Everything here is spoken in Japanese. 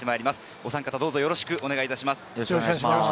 お三方、どうぞよろしくお願いします。